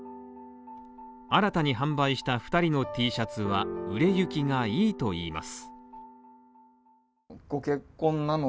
新たに販売した２人のＴシャツは売れ行きがいいといいます。